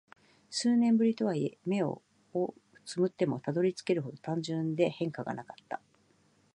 数年ぶりとはいえ、目を瞑ってもたどり着けるほど単純で変化がなかった。